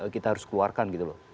kita harus keluarkan gitu loh